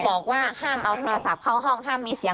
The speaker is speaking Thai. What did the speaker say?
บอกแม่ข้างนอกคำสั่งกับสีใต้พ่อแม่กับสีใต้